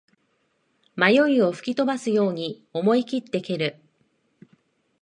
迷いを吹き飛ばすように思いきって蹴る